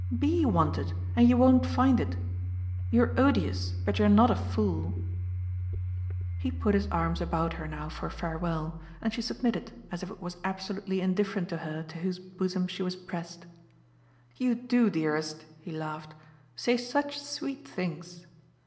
"BE wanted, and you won't find it. You're odious, but you're not a fool." He put his arms about her now for farewell, and she submitted as if it was absolutely indifferent to her to whose bosom she was pressed. "You do, dearest," he laughed, "say such sweet things!"